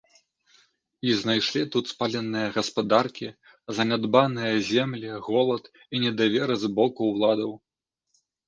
І знайшлі тут спаленыя гаспадаркі, занядбаныя землі, голад і недавер з боку ўладаў.